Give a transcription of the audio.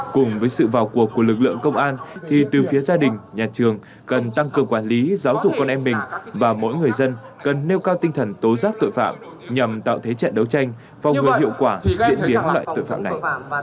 cùng với sự vào cuộc của lực lượng công an thì từ phía gia đình nhà trường cần tăng cường quản lý giáo dục con em mình và mỗi người dân cần nêu cao tinh thần tố giác tội phạm nhằm tạo thế trận đấu tranh phòng ngừa hiệu quả diễn biến loại tội phạm này